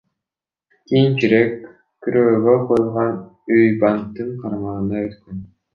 Кийинчерээк күрөөгө коюлган үй банктын карамагына өткөн.